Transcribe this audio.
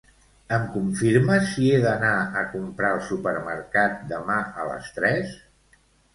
Em confirmes si he d'anar a comprar al supermercat demà a les tres?